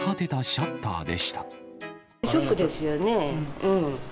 ショックですよね。